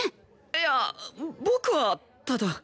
いや僕はただ。